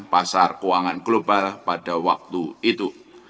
pasar keuangan global pada waktu itu